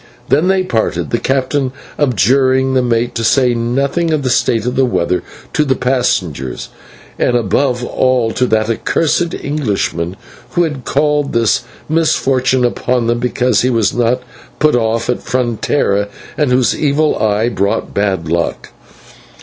Then they parted, the captain adjuring the mate to say nothing of the state of the weather to the passengers, and above all to that accursed Englishman, who had called this misfortune upon them because he was not put off at Frontera, and whose evil eye brought bad luck.